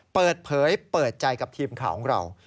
เปิดเผยเปิดใจกับทีมข่าวของเรา